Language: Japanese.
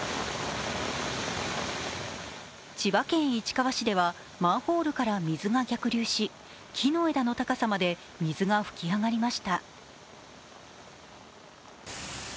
千葉県市川市ではマンホールから水が逆流し、木の枝の高さまで水が噴き上がりました。